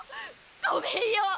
ごめんよ！